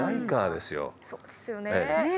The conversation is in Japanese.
そうですよね。